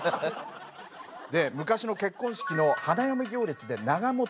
で昔の結婚式の花嫁行列で長持。